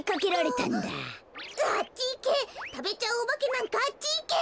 たべちゃうおばけなんかあっちいけ！